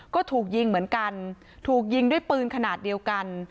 ก็ถูกยิงเหมือนกันถูกยิงด้วยปืนขนาดเดียวกัน